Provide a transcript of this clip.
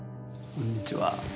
こんにちは。